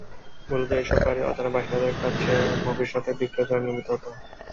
মূলত এসব বাড়ি অজানা বাসিন্দাদের কাছে ভবিষ্যতে বিক্রয়ের জন্য নির্মিত হত।